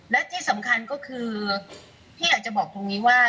และที่สำคัญก็คือพี่อยากจะบอกตรงนี้ว่า